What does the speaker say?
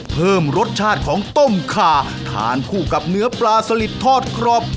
เพิ่มรสชาติของต้มขาทานคู่กับเนื้อปลาสลิดทอดกรอบ